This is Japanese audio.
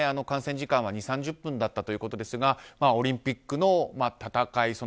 観戦時間は２０３０分だったということですがオリンピックの戦い